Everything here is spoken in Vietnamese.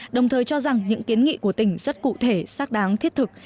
đồng thời cho rằng những kiến nghị của tỉnh rất cụ thể xác đáng thiết thực